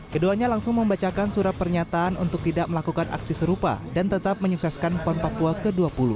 keduanya langsung membacakan surat pernyataan untuk tidak melakukan aksi serupa dan tetap menyukseskan pon papua ke dua puluh